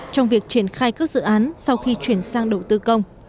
trong việc triển khai các dự án sau khi chuyển sang đầu tư công